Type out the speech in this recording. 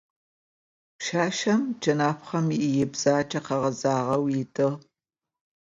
Пшъашъэм джэнапхъэм ибзаджэ къэгъэзагъэу ыдыгъ.